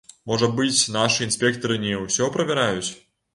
Можа быць, нашы інспектары не ўсё правяраюць?